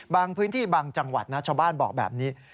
บางพื้นที่บางจังหวัดนะชาวบ้านบอกแบบนี้